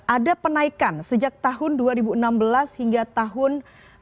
ada penaikan sejak tahun dua ribu enam belas hingga tahun dua ribu enam belas